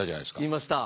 言いました。